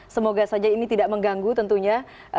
semoga saja ini tidak mengganggu tentunya